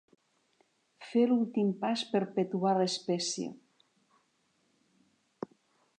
Fer l'últim pas per perpetuar l'espècie.